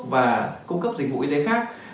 và cung cấp dịch vụ y tế khác